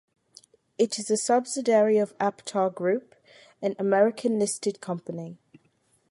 It is a subsidiary of Aptar Group, an American listed company.